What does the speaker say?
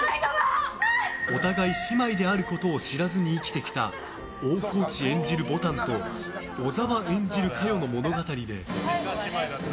お互い姉妹であることを知らずに生きてきた大河内演じる、ぼたんと小沢演じる香世の物語で。